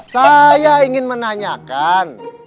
saya ingin menanyakan